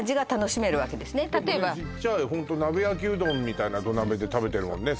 ちっちゃい鍋焼きうどんみたいな土鍋で食べてるもんね